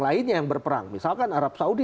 lainnya yang berperang misalkan arab saudi